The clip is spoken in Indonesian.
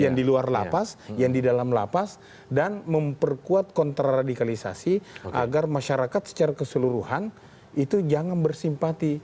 yang di luar lapas yang di dalam lapas dan memperkuat kontraradikalisasi agar masyarakat secara keseluruhan itu jangan bersimpati